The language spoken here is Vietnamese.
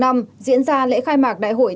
diễn ra lễ khai mạc đại hội